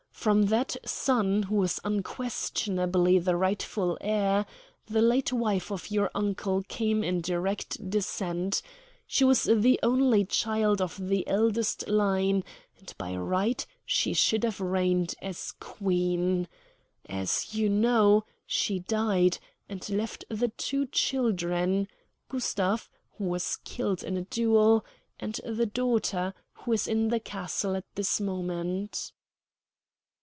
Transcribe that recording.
From that son, who was unquestionably the rightful heir, the late wife of your uncle came in direct descent. She was the only child of the eldest line, and by right she should have reigned as Queen. As you know, she died, and left the two children Gustav, who was killed in a duel, and the daughter, who is in the castle at this moment."